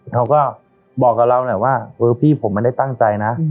เขาก็บอกกับเราหน่อยว่าเออพี่ผมไม่ได้ตั้งใจนะ